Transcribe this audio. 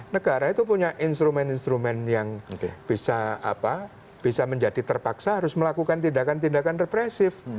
negara itu punya instrumen instrumen yang bisa menjadi terpaksa harus melakukan tindakan tindakan represif